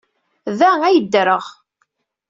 Da ay ddreɣ.